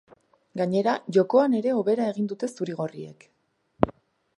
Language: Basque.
Gainera, jokoan ere hobera egin dute zuri-gorriek.